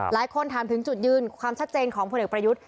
หลายคนถามถึงจุดยืนความชัดเจนของพลเอกประยุทธ์